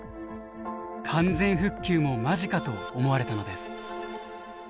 完全復旧も間近と思われたのです。